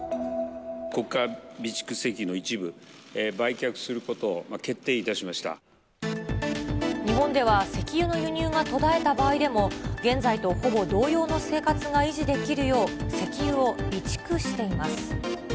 国家備蓄石油の一部、日本では石油の輸入が途絶えた場合でも、現在とほぼ同様の生活が維持できるよう石油を備蓄しています。